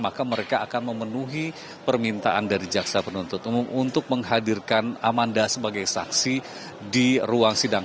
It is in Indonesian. maka mereka akan memenuhi permintaan dari jaksa penuntut umum untuk menghadirkan amanda sebagai saksi di ruang sidang